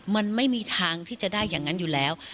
มันไม่มีทางที่จะได้อย่างนั้นอยู่แล้ว